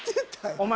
お前。